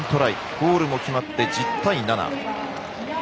ゴールも決まって１０対７。